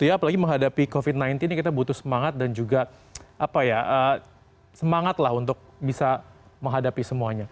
apalagi menghadapi covid sembilan belas ini kita butuh semangat dan juga semangat lah untuk bisa menghadapi semuanya